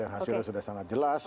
hasilnya sudah sangat jelas